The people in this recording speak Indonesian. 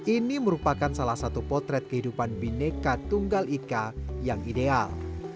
ini merupakan salah satu potret kehidupan bineka tunggal ika yang ideal